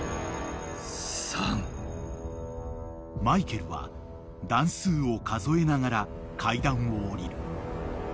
［マイケルは段数を数えながら階段を下りる］